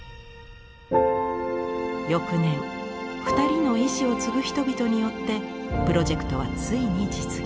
翌年２人の遺志を継ぐ人々によってプロジェクトはついに実現。